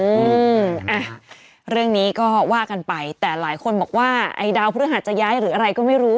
อืมอ่ะเรื่องนี้ก็ว่ากันไปแต่หลายคนบอกว่าไอ้ดาวพฤหัสจะย้ายหรืออะไรก็ไม่รู้